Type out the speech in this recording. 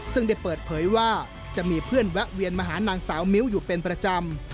ซึ่งได้เปิดเผยว่าจะมีเพื่อนแวะเวียนมาหานางสาวมิ้วอยู่เป็นประจำ